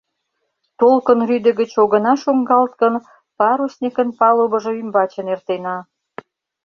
Толкын рӱдӧ гыч огына шуҥгалт гын, парусникын палубыжо ӱмбачын эртена.